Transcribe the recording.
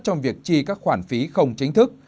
trong việc chi các khoản phí không chính thức